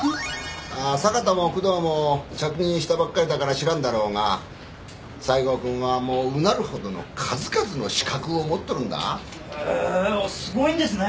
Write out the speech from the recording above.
ああ坂田も工藤も着任したばっかりだから知らんだろうが西郷くんはもううなるほどの数々の資格を持っとるんだへぇすごいんですね